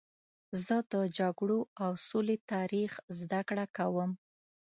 زه د جګړو او سولې تاریخ زدهکړه کوم.